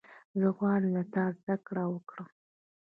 زه غواړم له تا زدهکړه وکړم.